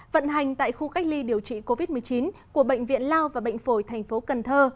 vận hành tại khu cách ly điều trị covid một mươi chín của bệnh viện lao và bệnh phổi thành phố cần thơ